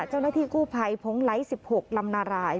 เจ้าหน้าที่กู้ภัยพงไลท์๑๖ลำนาราย